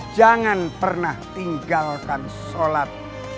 jangan pernah tinggalkan sholat